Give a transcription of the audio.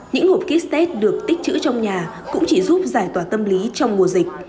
những hộp kit test được tích chữ trong nhà cũng chỉ giúp giải tỏa tâm lý trong mùa dịch